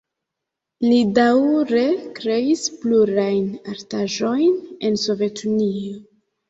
Li daŭre kreis plurajn artaĵojn en Sovetunio.